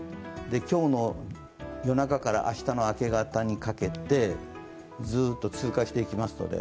今日の夜中から明日の明け方にかけてずっと通過していきます。